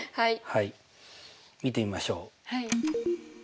はい見てみましょう。